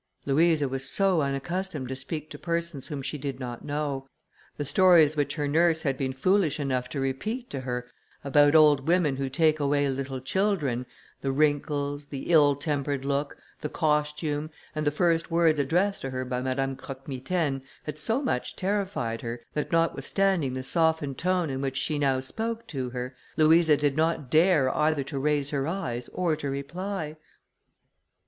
Louisa was so unaccustomed to speak to persons whom she did not know; the stories which her nurse had been foolish enough to repeat to her about old women who take away little children; the wrinkles, the ill tempered look, the costume, and the first words addressed to her by Madame Croque Mitaine, had so much terrified her, that notwithstanding the softened tone in which she now spoke to her, Louisa did not dare either to raise her eyes, or to reply.